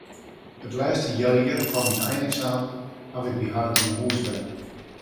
It lêste healjier foar myn eineksamen haw ik by harren yn 'e hûs wenne.